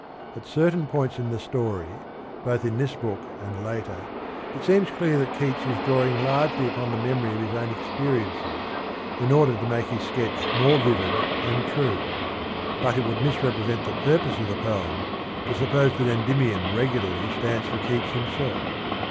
At certain points in the story, both in this book and later, it seems clear that Keats is drawing largely upon the memory of his own experiences in order to make his sketch more vivid and true ; but it would misrepresent the purpose of the poem to suppose that Endymion regularly stands for Keats himself.